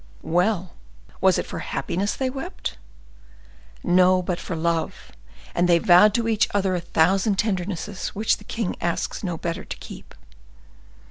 "Well! was it for happiness they wept?" "No, but for love, and they vowed to each other a thousand tendernesses, which the king asks no better to keep.